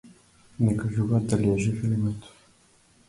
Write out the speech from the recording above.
Не кажуваат дали е жив или мртов.